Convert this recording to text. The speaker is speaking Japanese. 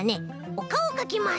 おかおかきます！